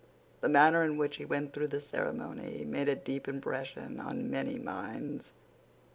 The manner in which he went through the ceremony made a deep impression on many minds.